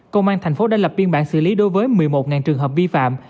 công an tp hcm đã lập biên bản xử lý đối với một mươi một trường hợp vi phạm